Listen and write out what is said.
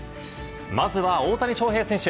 まずは大谷翔平選手。